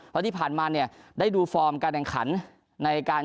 เพราะที่ผ่านมาเนี่ยได้ดูฟอร์มการแข่งขันในการ